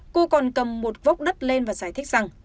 cô còn cầm một vốc đất lên và giải thích rằng